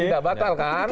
tidak batal kan